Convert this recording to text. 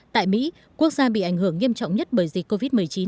tại mỹ quốc gia bị ảnh hưởng nghiêm trọng nhất bởi dịch covid một mươi chín